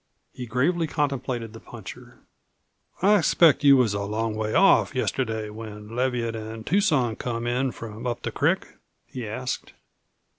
He gravely contemplated the puncher. "I expect you was a long ways off yesterday when Leviatt an' Tucson come in from up the crick?" he asked.